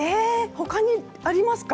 他にありますか？